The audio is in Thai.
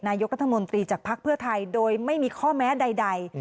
นายกรัฐมนตรีจากภักดิ์เพื่อไทยโดยไม่มีข้อแม้ใด